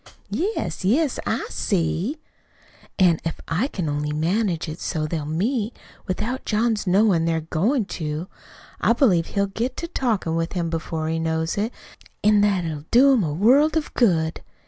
"Yes, I see, I see." "An' if I can only manage it so they'll meet without John's knowin' they're goin' to, I believe he'll get to talkin' with him before he knows it; an' that it'll do him a world of good.